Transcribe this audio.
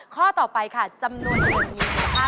ข้อต่อไปค่ะจำนวนเงินมีสุดค่ะ